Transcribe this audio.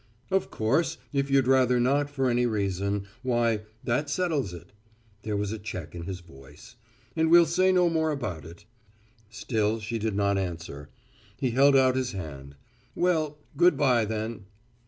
"Of course, if you'd rather not for any reason, why, that settles it," there was a check in his voice, "and we'll say no more about it." Still she did not answer. He held out his hand. "Well, good bye, then."